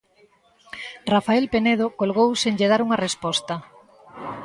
Rafael Penedo colgou sen lle dar unha resposta.